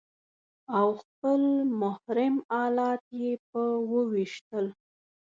او خپل محرم الات يې په وويشتل.